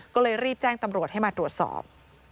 ก็เลยรีบแจ้งตำรวจให้มาตรวจสอบ